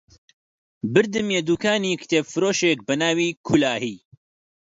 بردمیە دووکانی کتێبفرۆشێک بە ناوی کولاهی